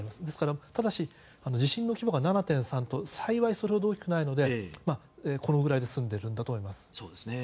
ですから、地震の規模が７．３と幸いそれほど大きくないのでこのぐらいで済んでいるんだと思います。